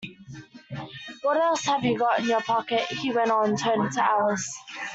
‘What else have you got in your pocket?’ he went on, turning to Alice.